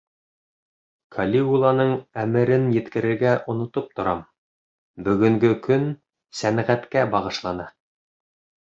Калигуланың әмерен еткерергә онотоп торам: бөгөнгө көн сәнғәткә бағышлана.